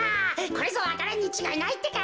これぞわか蘭にちがいないってか。